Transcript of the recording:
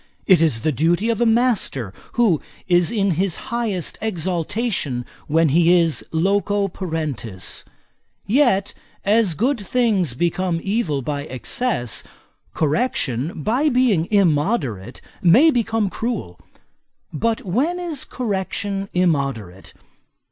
It is the duty of a master, who is in his highest exaltation when he is loco parentis. Yet, as good things become evil by excess, correction, by being immoderate, may become cruel. But when is correction immoderate?